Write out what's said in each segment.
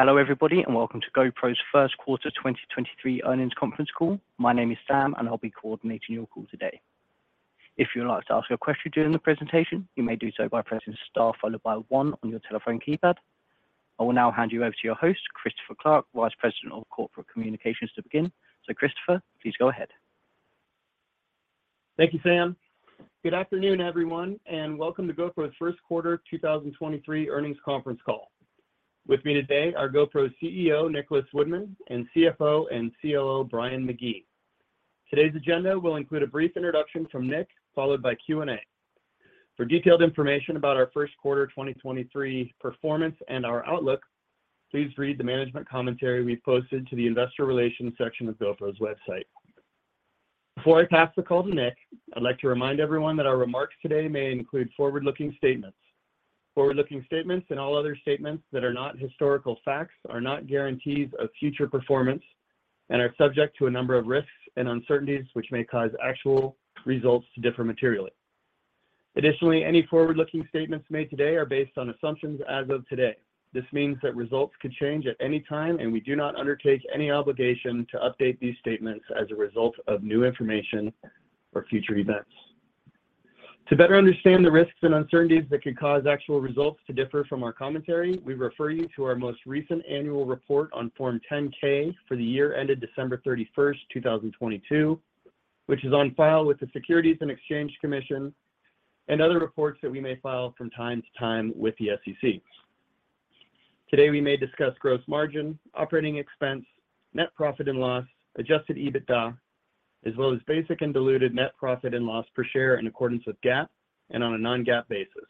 Hello everybody, welcome to GoPro's first quarter 2023 earnings conference call. My name is Sam, I'll be coordinating your call today. If you would like to ask a question during the presentation, you may do so by pressing star followed by 1 on your telephone keypad. I will now hand you over to your host, Christopher Clark, Vice President of Corporate Communications, to begin. Christopher, please go ahead. Thank you, Sam. Good afternoon, everyone, and welcome to GoPro's first quarter 2023 earnings conference call. With me today are GoPro's CEO, Nicholas Woodman, and CFO and COO, Brian McGee. Today's agenda will include a brief introduction from Nick, followed by Q&A. For detailed information about our first quarter 2023 performance and our outlook, please read the management commentary we posted to the investor relations section of GoPro's website. Before I pass the call to Nick, I'd like to remind everyone that our remarks today may include forward-looking statements. Forward-looking statements, all other statements that are not historical facts, are not guarantees of future performance and are subject to a number of risks and uncertainties, which may cause actual results to differ materially. Additionally, any forward-looking statements made today are based on assumptions as of today. This means that results could change at any time, and we do not undertake any obligation to update these statements as a result of new information or future events. To better understand the risks and uncertainties that could cause actual results to differ from our commentary, we refer you to our most recent annual report on Form 10-K for the year ended December 31st, 2022, which is on file with the Securities and Exchange Commission, and other reports that we may file from time to time with the SEC. Today, we may discuss gross margin, operating expense, net profit and loss, adjusted EBITDA, as well as basic and diluted net profit and loss per share in accordance with GAAP and on a non-GAAP basis.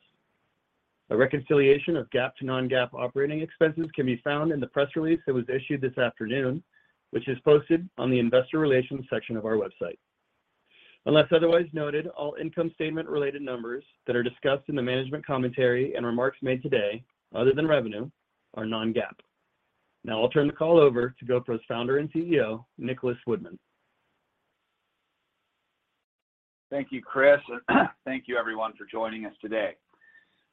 A reconciliation of GAAP to non-GAAP operating expenses can be found in the press release that was issued this afternoon, which is posted on the investor relations section of our website. Unless otherwise noted, all income statement related numbers that are discussed in the management commentary and remarks made today, other than revenue, are non-GAAP. I'll turn the call over to GoPro's Founder and CEO, Nicholas Woodman. Thank you, Chris, and thank you everyone for joining us today.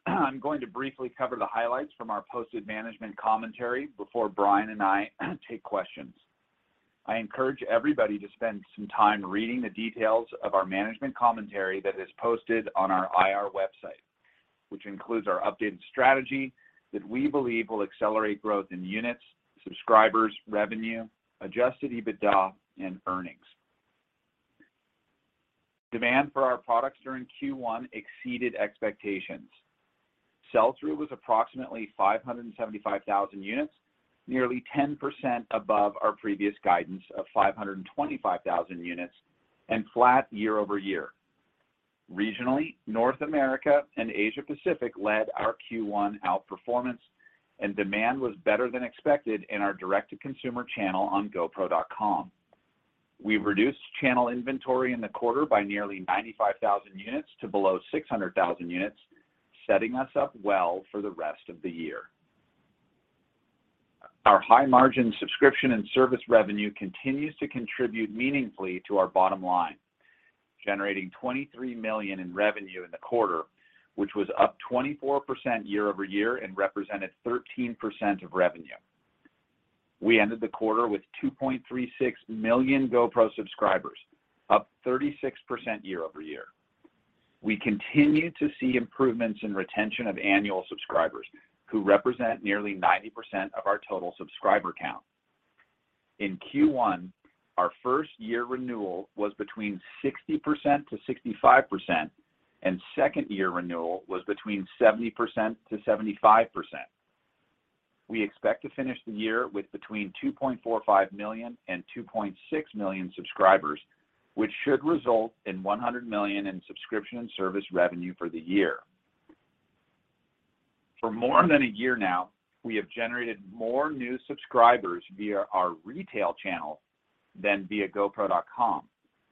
I'm going to briefly cover the highlights from our posted management commentary before Brian and I take questions. I encourage everybody to spend some time reading the details of our management commentary that is posted on our IR website, which includes our updated strategy that we believe will accelerate growth in units, subscribers, revenue, adjusted EBITDA, and earnings. Demand for our products during Q1 exceeded expectations. Sell-through was approximately 575,000 units, nearly 10% above our previous guidance of 525,000 units, and flat year-over-year. Regionally, North America and Asia Pacific led our Q1 outperformance, and demand was better than expected in our direct-to-consumer channel on GoPro.com. We reduced channel inventory in the quarter by nearly 95,000 units to below 600,000 units, setting us up well for the rest of the year. Our high-margin subscription and service revenue continues to contribute meaningfully to our bottom line, generating $23 million in revenue in the quarter, which was up 24% year-over-year and represented 13% of revenue. We ended the quarter with 2.36 million GoPro subscribers, up 36% year-over-year. We continue to see improvements in retention of annual subscribers, who represent nearly 90% of our total subscriber count. In Q1, our first year renewal was between 60%-65%, and second year renewal was between 70%-75%. We expect to finish the year with between 2.45 million and 2.6 million subscribers, which should result in $100 million in subscription and service revenue for the year. For more than a year now, we have generated more new subscribers via our retail channel than via GoPro.com,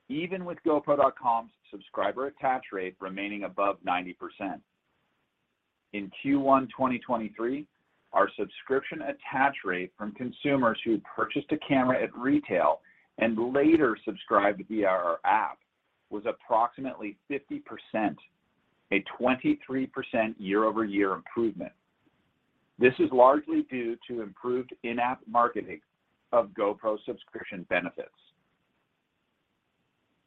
even with GoPro.com's subscriber attach rate remaining above 90%. In Q1 2023, our subscription attach rate from consumers who had purchased a camera at retail and later subscribed via our app was approximately 50%, a 23% year-over-year improvement. This is largely due to improved in-app marketing of GoPro subscription benefits.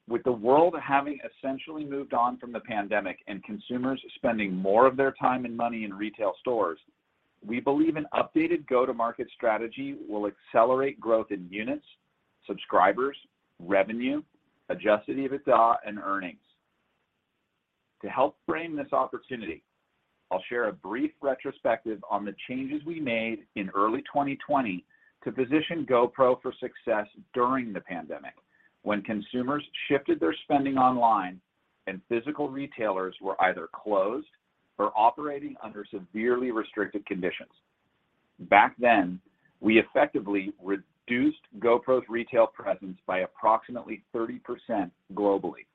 With the world having essentially moved on from the pandemic and consumers spending more of their time and money in retail stores, we believe an updated go-to-market strategy will accelerate growth in units, subscribers, revenue, adjusted EBITDA, and earnings. To help frame this opportunity, I'll share a brief retrospective on the changes we made in early 2020 to position GoPro for success during the pandemic, when consumers shifted their spending online and physical retailers were either closed or operating under severely restricted conditions. Back then, we effectively reduced GoPro's retail presence by approximately 30% globally,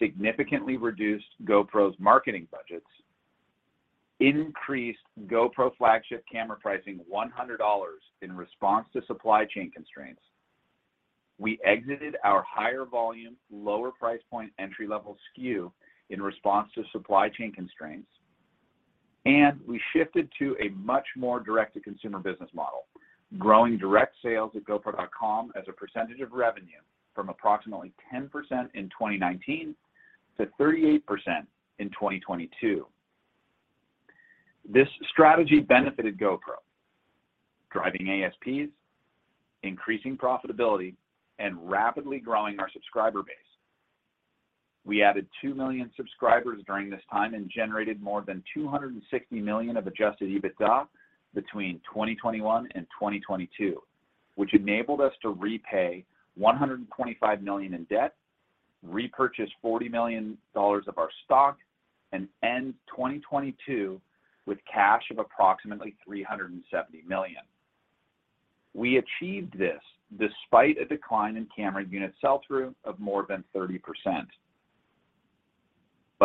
significantly reduced GoPro's marketing budgets, increased GoPro flagship camera pricing $100 in response to supply chain constraints-We exited our higher volume, lower price point entry-level SKU in response to supply chain constraints, and we shifted to a much more direct-to-consumer business model, growing direct sales at GoPro.com as a percentage of revenue from approximately 10% in 2019 to 38% in 2022. This strategy benefited GoPro, driving ASPs, increasing profitability, and rapidly growing our subscriber base. We added 2 million subscribers during this time and generated more than $260 million of adjusted EBITDA between 2021 and 2022, which enabled us to repay $125 million in debt, repurchase $40 million of our stock, and end 2022 with cash of approximately $370 million. We achieved this despite a decline in camera unit sell-through of more than 30%.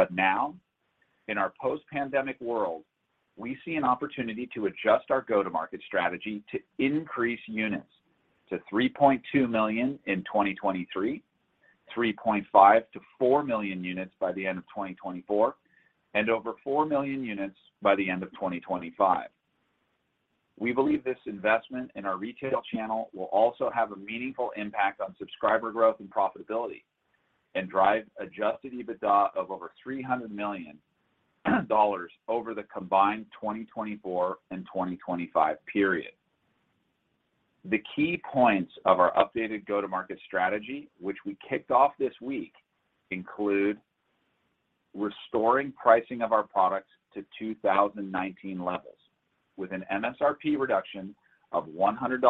Now, in our post-pandemic world, we see an opportunity to adjust our go-to-market strategy to increase units to 3.2 million in 2023, 3.5 million-4 million units by the end of 2024, and over 4 million units by the end of 2025. We believe this investment in our retail channel will also have a meaningful impact on subscriber growth and profitability and drive adjusted EBITDA of over $300 million over the combined 2024 and 2025 period. The key points of our updated go-to-market strategy, which we kicked off this week, include restoring pricing of our products to 2019 levels with an MSRP reduction of $100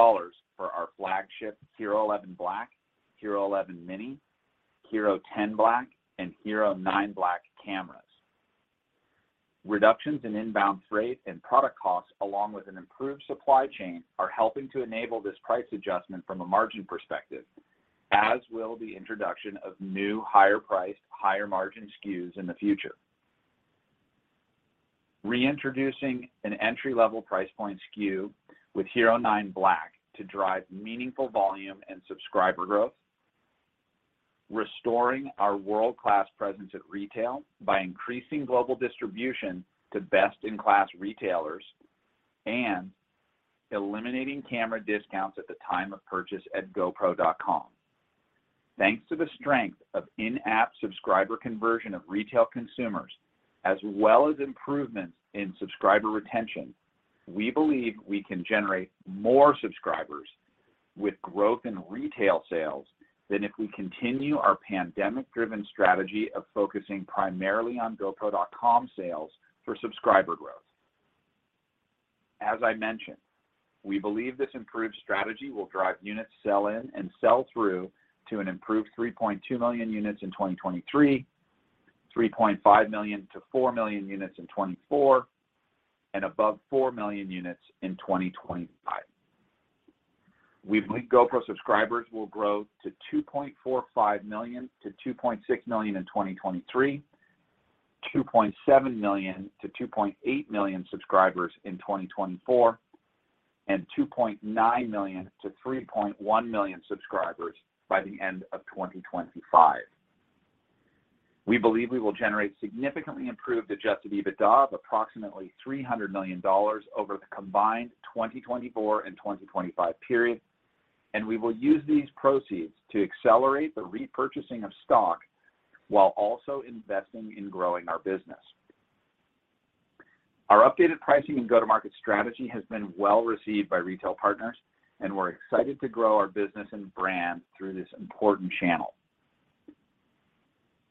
for our flagship HERO11 Black, HERO11 Black Mini, HERO10 Black, and HERO9 Black cameras. Reductions in inbound freight and product costs, along with an improved supply chain, are helping to enable this price adjustment from a margin perspective, as will the introduction of new higher-priced, higher-margin SKUs in the future. Reintroducing an entry-level price point SKU with HERO9 Black to drive meaningful volume and subscriber growth. Restoring our world-class presence at retail by increasing global distribution to best-in-class retailers and eliminating camera discounts at the time of purchase at GoPro.com. Thanks to the strength of in-app subscriber conversion of retail consumers, as well as improvements in subscriber retention, we believe we can generate more subscribers with growth in retail sales than if we continue our pandemic-driven strategy of focusing primarily on GoPro.com sales for subscriber growth. As I mentioned, we believe this improved strategy will drive unit sell-in and sell-through to an improved 3.2 million units in 2023, 3.5 million-4 million units in 2024, and above 4 million units in 2025. We believe GoPro subscribers will grow to $2.45 million-$2.6 million in 2023, $2.7 million-$2.8 million subscribers in 2024, and $2.9 million-$3.1 million subscribers by the end of 2025. We believe we will generate significantly improved adjusted EBITDA of approximately $300 million over the combined 2024 and 2025 period, and we will use these proceeds to accelerate the repurchasing of stock while also investing in growing our business. Our updated pricing and go-to-market strategy has been well-received by retail partners, and we're excited to grow our business and brand through this important channel.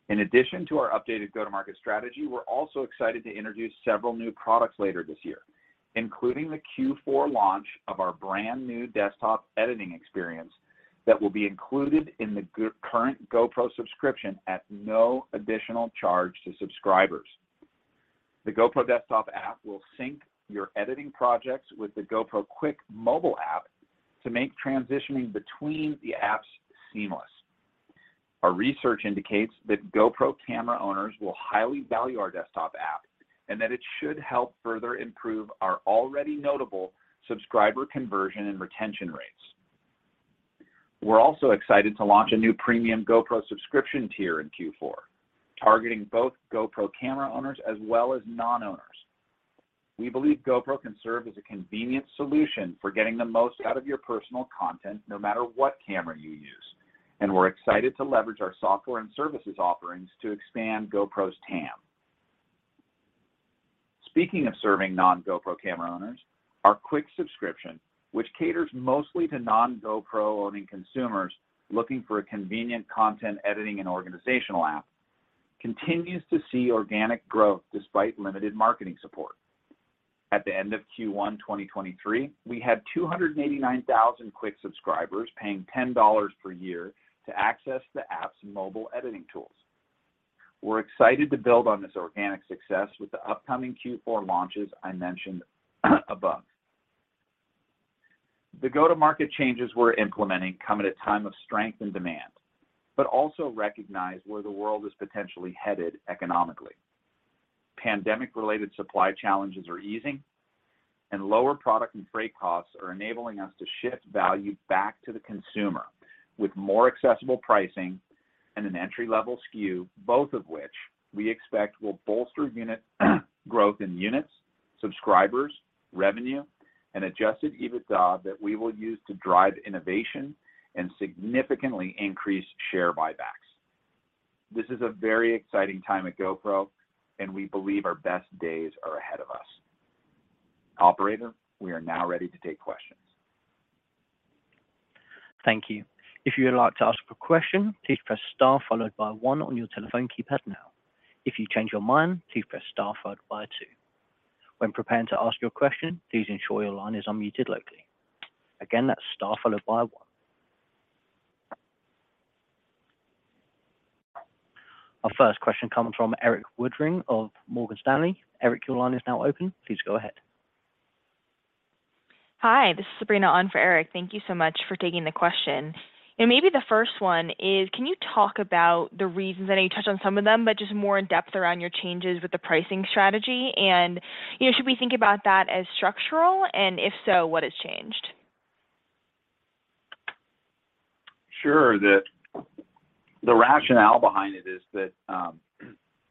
In addition to our updated go-to-market strategy, we're also excited to introduce several new products later this year, including the Q4 launch of our brand-new desktop editing experience that will be included in the current GoPro subscription at no additional charge to subscribers. The Quik desktop app will sync your editing projects with the GoPro Quik mobile app to make transitioning between the apps seamless. Our research indicates that GoPro camera owners will highly value our desktop app and that it should help further improve our already notable subscriber conversion and retention rates. We're also excited to launch a new premium GoPro subscription tier in Q4, targeting both GoPro camera owners as well as non-owners. We believe GoPro can serve as a convenient solution for getting the most out of your personal content, no matter what camera you use, and we're excited to leverage our software and services offerings to expand GoPro's TAM. Speaking of serving non-GoPro camera owners, our Quik subscription, which caters mostly to non-GoPro-owning consumers looking for a convenient content editing and organizational app, continues to see organic growth despite limited marketing support. At the end of Q1 2023, we had 289,000 Quik subscribers paying $10 per year to access the app's mobile editing tools. We're excited to build on this organic success with the upcoming Q4 launches I mentioned above. The go-to-market changes we're implementing come at a time of strength and demand, but also recognize where the world is potentially headed economically. Pandemic-related supply challenges are easing and lower product and freight costs are enabling us to shift value back to the consumer with more accessible pricing and an entry-level SKU, both of which we expect will bolster unit growth in units, subscribers, revenue, and adjusted EBITDA that we will use to drive innovation and significantly increase share buybacks. This is a very exciting time at GoPro, and we believe our best days are ahead of us. Operator, we are now ready to take questions. Thank you. If you would like to ask a question, please press star followed by one on your telephone keypad now. If you change your mind, please press star followed by two. When preparing to ask your question, please ensure your line is unmuted locally. Again, that's star followed by one. Our first question comes from Erik Woodring of Morgan Stanley. Erik, your line is now open. Please go ahead. Hi, this is Sabrina on for Erik. Thank you so much for taking the question. Maybe the first one is, can you talk about the reasons, I know you touched on some of them, but just more in-depth around your changes with the pricing strategy and, you know, should we think about that as structural, and if so, what has changed? Sure. The rationale behind it is that,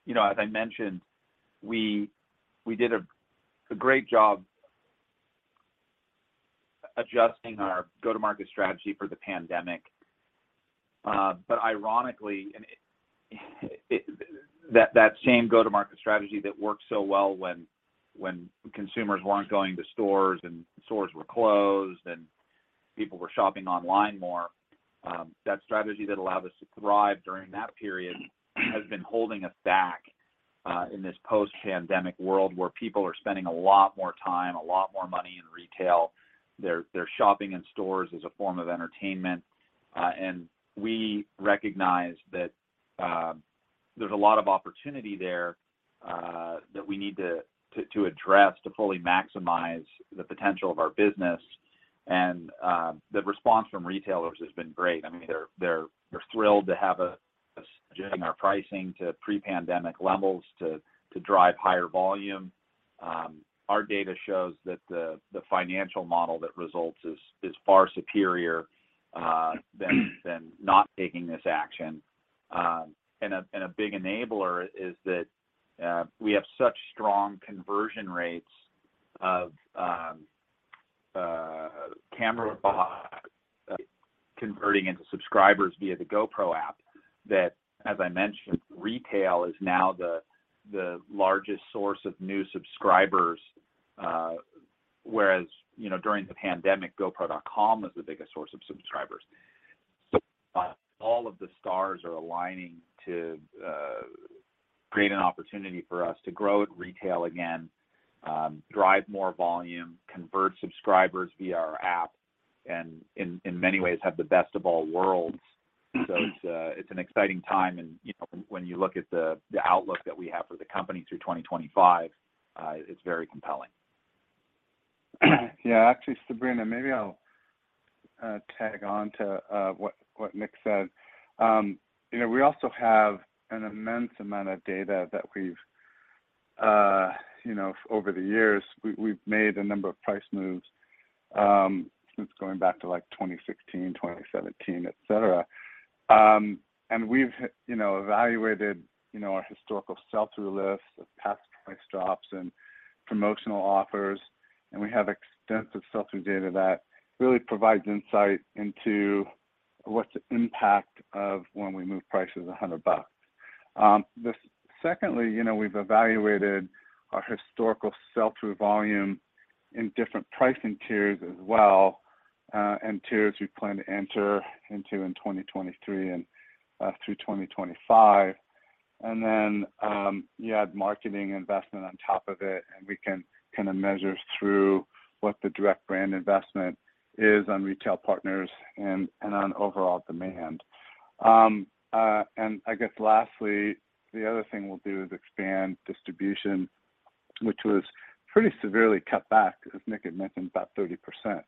you know, as I mentioned, we did a great job adjusting our go-to-market strategy for the pandemic. Ironically, that same go-to-market strategy that worked so well when consumers weren't going to stores and stores were closed and people were shopping online more, that strategy that allowed us to thrive during that period has been holding us back in this post-pandemic world where people are spending a lot more time, a lot more money in retail. They're shopping in stores as a form of entertainment. We recognize that there's a lot of opportunity there that we need to address to fully maximize the potential of our business. The response from retailers has been great. I mean, they're thrilled to have us adjusting our pricing to pre-pandemic levels to drive higher volume. Our data shows that the financial model that results is far superior than not taking this action. And a big enabler is that we have such strong conversion rates of camera buyers converting into subscribers via the GoPro app that, as I mentioned, retail is now the largest source of new subscribers. Whereas, you know, during the pandemic, GoPro.com was the biggest source of subscribers. All of the stars are aligning to create an opportunity for us to grow at retail again, drive more volume, convert subscribers via our app, and in many ways have the best of all worlds. It's an exciting time and, you know, when you look at the outlook that we have for the company through 2025, it's very compelling. Yeah. Actually, Sabrina, maybe I'll tag on to what Nick said. You know, we also have an immense amount of data that we've, you know, over the years, we've made a number of price moves, since going back to like 2016, 2017, et cetera. We've, you know, evaluated, you know, our historical sell-through lifts of past price drops and promotional offers, and we have extensive sell-through data that really provides insight into what's the impact of when we move prices $100. Secondly, you know, we've evaluated our historical sell-through volume in different pricing tiers as well, and tiers we plan to enter into in 2023 and through 2025. You add marketing investment on top of it, and we can kind of measure through what the direct brand investment is on retail partners and on overall demand. I guess lastly, the other thing we'll do is expand distribution, which was pretty severely cut back, as Nick had mentioned, about 30%.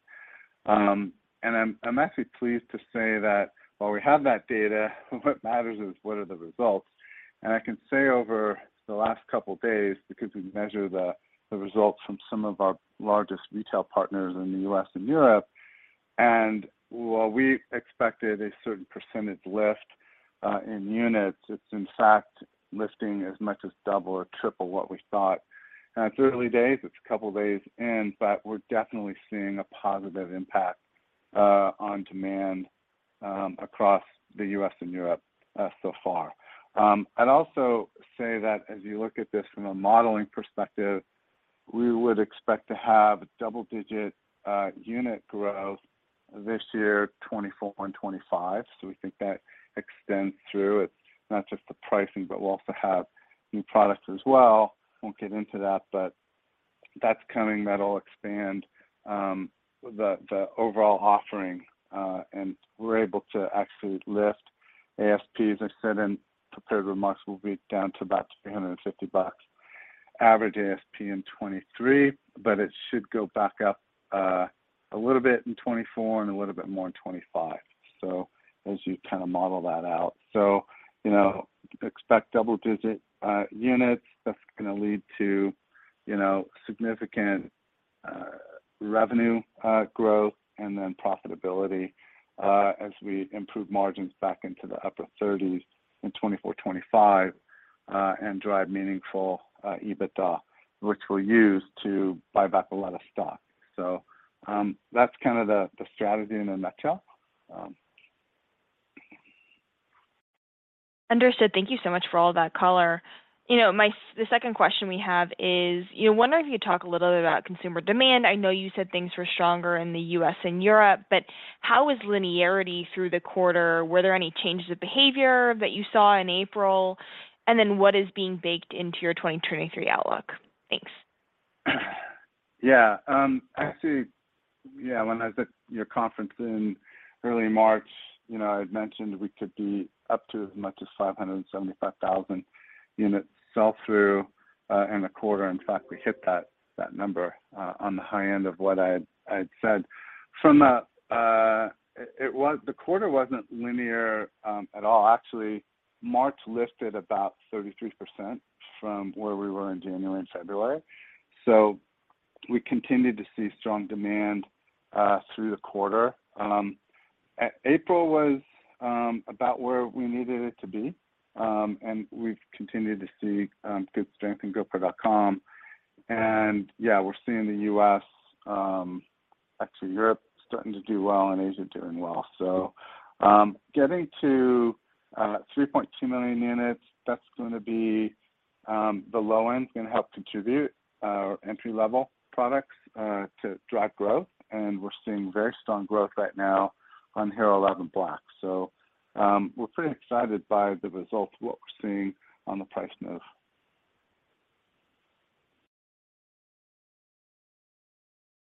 I'm actually pleased to say that while we have that data, what matters is what are the results. I can say over the last couple days, because we measure the results from some of our largest retail partners in the US and Europe, and while we expected a certain percentage lift, in units, it's in fact lifting as much as double or triple what we thought. It's early days. It's a couple days in, we're definitely seeing a positive impact on demand across the US and Europe so far. I'd also say that as you look at this from a modeling perspective, we would expect to have double-digit unit growth this year, 2024 and 2025. We think that extends through. It's not just the pricing, but we'll also have new products as well. Won't get into that, but that's coming. That'll expand the overall offering, and we're able to actually lift ASPs. As I said in prepared remarks, we'll be down to about $350 average ASP in 2023, but it should go back up a little bit in 2024 and a little bit more in 2025. As you kinda model that out. You know, expect double-digit units. That's gonna lead to, you know, significant revenue growth and then profitability, as we improve margins back into the upper 30s in 2024, 2025, and drive meaningful EBITDA, which we'll use to buy back a lot of stock. That's kind of the strategy in a nutshell. Understood. Thank you so much for all that color. You know, the second question we have is, you know, wondering if you could talk a little bit about consumer demand. I know you said things were stronger in the US and Europe, but how is linearity through the quarter? Were there any changes of behavior that you saw in April? What is being baked into your 2023 outlook? Thanks. Yeah. Actually, yeah, when I was at your conference in early March, you know, I'd mentioned we could be up to as much as 575,000 units sell through in the quarter. In fact, we hit that number on the high end of what I had said. From a... The quarter wasn't linear at all. Actually, March lifted about 33% from where we were in January and February. We continued to see strong demand through the quarter. April was about where we needed it to be, and we've continued to see good strength in GoPro.com. Yeah, we're seeing the US, actually Europe starting to do well and Asia doing well. Getting to 3.2 million units, that's gonna be the low end. It's gonna help contribute our entry-level products to drive growth. We're seeing very strong growth right now on HERO11 Black. We're pretty excited by the results, what we're seeing on the price move.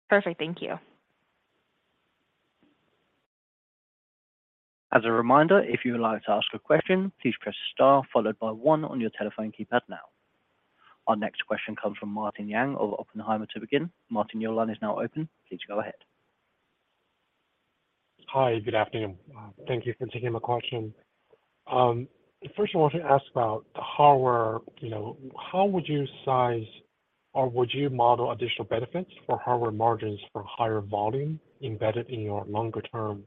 Perfect. Thank you. As a reminder, if you would like to ask a question, please press star followed by one on your telephone keypad now. Our next question comes from Martin Yang of Oppenheimer to begin. Martin, your line is now open. Please go ahead. Hi, good afternoon. Thank you for taking my question. First I wanted to ask about the hardware. You know, how would you size or would you model additional benefits for hardware margins for higher volume embedded in your longer term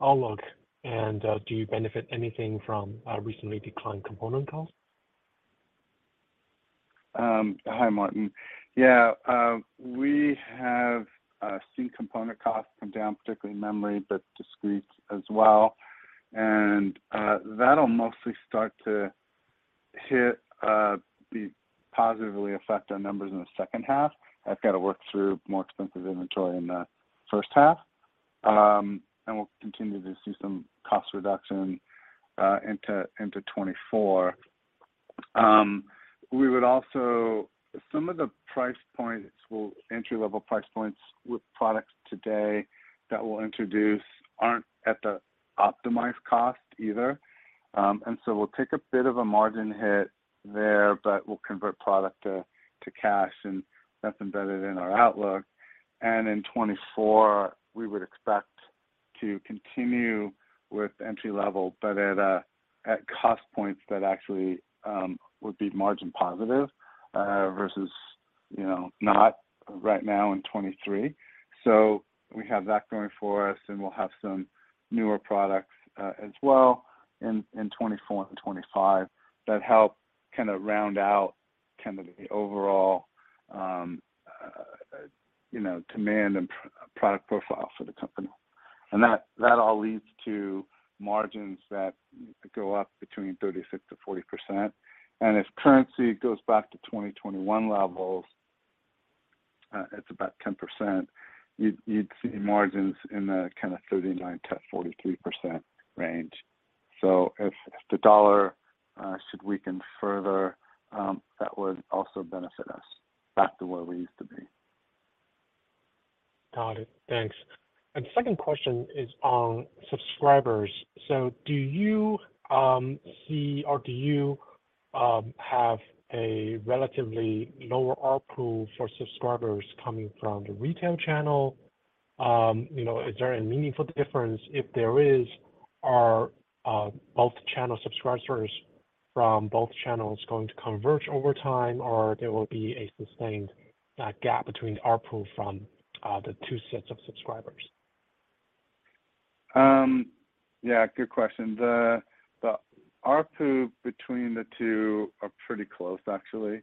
outlook? Do you benefit anything from recently declined component costs? Hi, Martin. Yeah, we have seen component costs come down, particularly memory, but discrete as well. That'll mostly start to hit positively affect our numbers in the second half. I've got to work through more expensive inventory in the first half, and we'll continue to see some cost reduction into 2024. We would also. Some of the price points, well, entry-level price points with products today that we'll introduce aren't at the optimized cost either. So we'll take a bit of a margin hit there, but we'll convert product to cash, and that's embedded in our outlook. In 2024, we would expect to continue with entry level, but at cost points that actually would be margin positive versus, you know, not right now in 2023. We have that going for us, and we'll have some newer products as well in 2024 and 2025 that help kinda round out kind of the overall, you know, demand and product profile for the company. That all leads to margins that go up between 36%-40%. If currency goes back to 2021 levels, it's about 10%, you'd see margins in the kind of 39%-43% range. If the dollar should weaken further, that would also benefit us back to where we used to be. Got it. Thanks. Second question is on subscribers. Do you see or do you have a relatively lower ARPU for subscribers coming from the retail channel? You know, is there a meaningful difference? If there is, are both channel subscribers from both channels going to converge over time, or there will be a sustained gap between the ARPU from the two sets of subscribers? Yeah, good question. The ARPU between the two are pretty close, actually.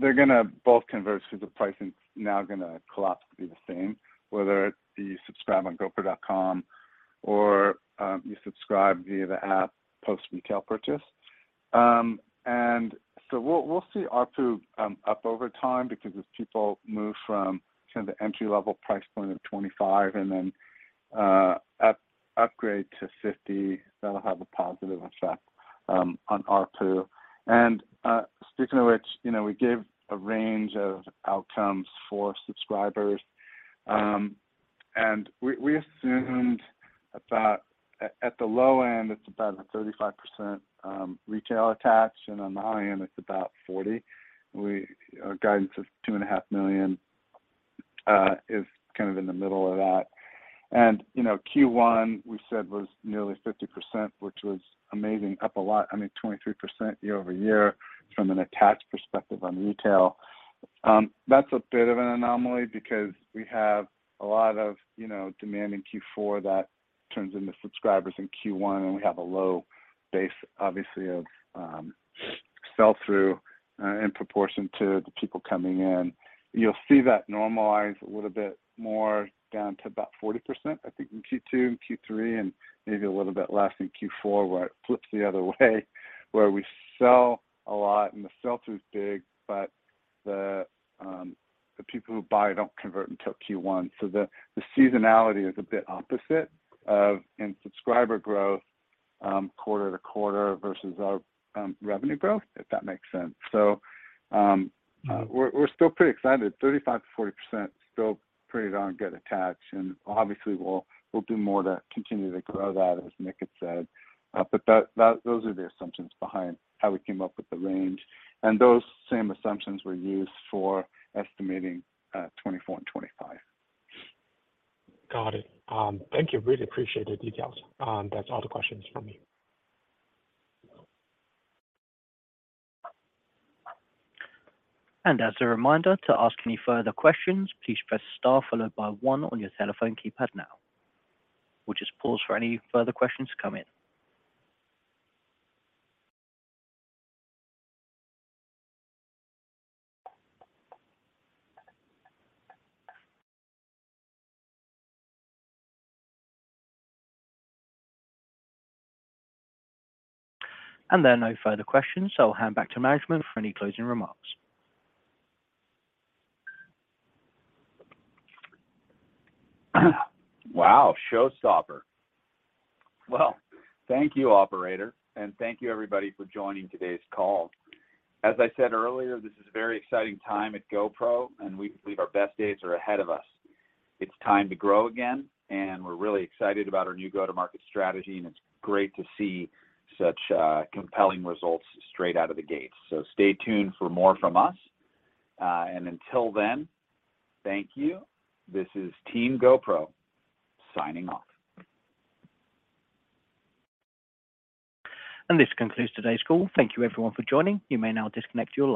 They're gonna both converge through the pricing. It's now gonna collapse to be the same, whether you subscribe on GoPro.com or you subscribe via the app post-retail purchase. We'll see ARPU up over time because as people move from kinda the entry level price point of $25 and then upgrade to $50, that'll have a positive effect on ARPU. Speaking of which, you know, we gave a range of outcomes for subscribers. We assumed about at the low end, it's about a 35% retail attach, and on the high end it's about 40%. Our guidance of 2.5 million is kind of in the middle of that. You know, Q1 we said was nearly 50%, which was amazing, up a lot. I mean, 23% year-over-year from an attach perspective on retail. That's a bit of an anomaly because we have a lot of, you know, demand in Q4 that turns into subscribers in Q1, and we have a low base obviously of sell through, in proportion to the people coming in. You'll see that normalize a little bit more down to about 40%, I think in Q2 and Q3, and maybe a little bit less in Q4, where it flips the other way where we sell a lot and the sell-through's big, but the people who buy don't convert until Q1. The seasonality is a bit opposite of... in subscriber growth, quarter-to-quarter versus our revenue growth, if that makes sense. We're still pretty excited. 35%-40% is still pretty darn good attach, obviously we'll do more to continue to grow that, as Nick had said. But those are the assumptions behind how we came up with the range, and those same assumptions were used for estimating, 2024 and 2025. Got it. Thank you. Really appreciate the details. That's all the questions from me. As a reminder, to ask any further questions, please press star followed by one on your telephone keypad now. We'll just pause for any further questions to come in. There are no further questions. I'll hand back to management for any closing remarks. Wow. Showstopper. Thank you, operator, and thank you everybody for joining today's call. As I said earlier, this is a very exciting time at GoPro, and we believe our best days are ahead of us. It's time to grow again, and we're really excited about our new go-to-market strategy, and it's great to see such compelling results straight out of the gate. Stay tuned for more from us. Until then, thank you. This is team GoPro signing off. This concludes today's call. Thank you everyone for joining. You may now disconnect your line.